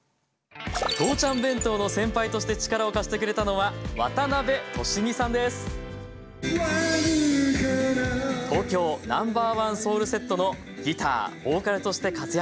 父ちゃん弁当の先輩として力を貸してくれたのは「ＴＯＫＹＯＮｏ．１ＳＯＵＬＳＥＴ」のギターボーカルとして活躍。